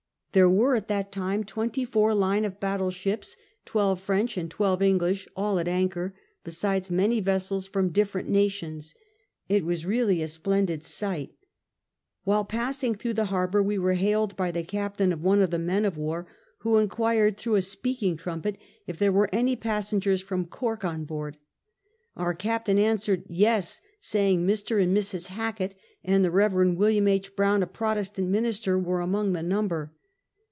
There were at that time twenty four line of battle ships, twelve French and twelve English, all at anchor, besides many vessels from different nations. It was really a splendid sight. While pass ing through the harbor we were hailed by the captain of one of the men of war, who inquired, through a speaking trumpet, if there were any passengers from Cork on board. Our captain answered, '^Yes," say ing that Mr. and Mrs. Hackett and the Rev. William H. Brown, a Protestant minister, were among the number.